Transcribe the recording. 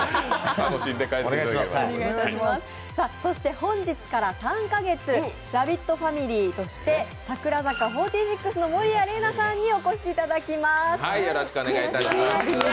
本日から３カ月ラヴィットファミリーとして櫻坂４６の守屋麗奈さんにお越しいただきます。